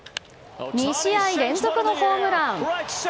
２試合連続のホームラン。